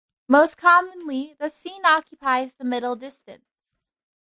Most commonly the scene occupies the middle distance.